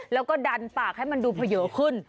แล้วก็ดันปากให้มันดูเผยขึ้น